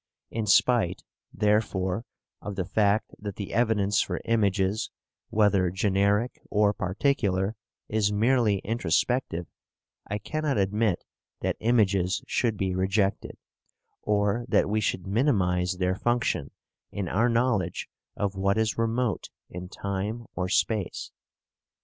In spite, therefore, of the fact that the evidence for images, whether generic or particular, is merely introspective, I cannot admit that images should be rejected, or that we should minimize their function in our knowledge of what is remote in time or space.